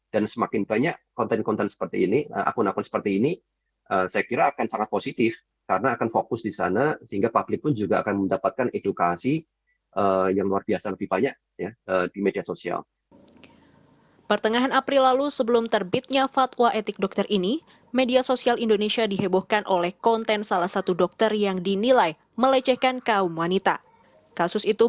dan semakin banyak konten konten seperti ini akun akun seperti ini saya kira akan sangat positif karena akan fokus di sana sehingga publik pun juga akan mendapatkan edukasi yang luar biasa lebih banyak